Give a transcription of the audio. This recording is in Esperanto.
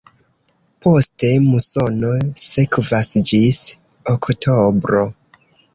Poste musono sekvas ĝis oktobro.